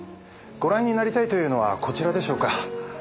ご覧になりたいというのはこちらでしょうか？